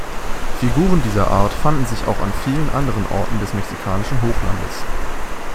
Figuren dieser Art fanden sich auch an vielen anderen Orten des mexikanischen Hochlandes.